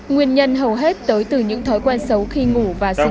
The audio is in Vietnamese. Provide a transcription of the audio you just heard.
nguyên nhân hầu hết tới từ những thói quen xấu khi ngủ và sinh sống